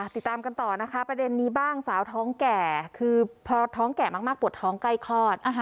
ติดตามกันต่อนะคะประเด็นนี้บ้างสาวท้องแก่คือพอท้องแก่มากปวดท้องใกล้คลอด